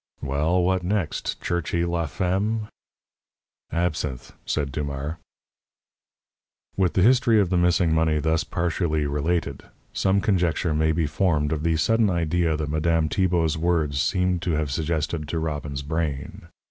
"Well, what next? Churchy law fem?" "Absinthe," said Dumars. With the history of the missing money thus partially related, some conjecture may be formed of the sudden idea that Madame Tibault's words seemed to have suggested to Robbins's brain.